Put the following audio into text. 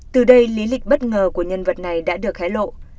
từ đây lý lịch bất ngờ của nhân vật này đã được hé lộ